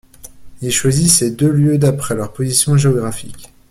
Il choisit ces deux lieux d’après leurs positions géographiques.